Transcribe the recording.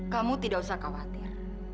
kamu tidak usah khawatir